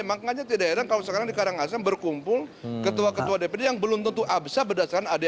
makanya tidak heran kalau sekarang di karangasem berkumpul ketua ketua dpd yang belum tentu absah berdasarkan adik